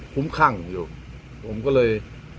คุ้มคั่งอยู่ผมก็เลย